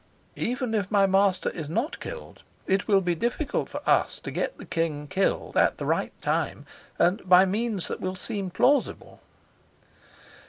"Even if my master is not killed, it will be difficult for us to get the king killed at the right time, and by means that will seem plausible."